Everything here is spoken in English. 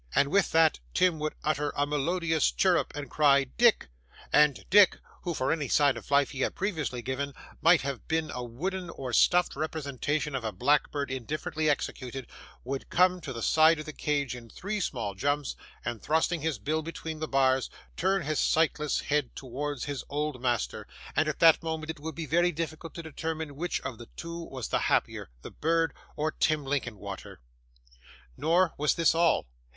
And with that, Tim would utter a melodious chirrup, and cry 'Dick;' and Dick, who, for any sign of life he had previously given, might have been a wooden or stuffed representation of a blackbird indifferently executed, would come to the side of the cage in three small jumps, and, thrusting his bill between the bars, turn his sightless head towards his old master and at that moment it would be very difficult to determine which of the two was the happier, the bird or Tim Linkinwater. Nor was this all.